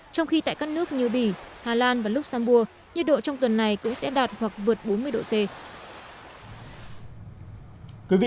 trong khi tại các nước như bỉ hà lan và luxembourg nhiệt độ trong tuần này cũng sẽ đạt hoặc vượt bốn mươi độ c